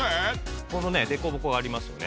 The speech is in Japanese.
このねデコボコがありますよね。